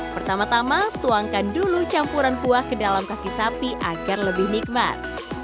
pertama tama tuangkan dulu campuran kuah ke dalam kaki sapi agar lebih nikmat